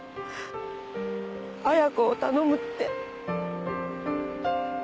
絢子を頼む」って。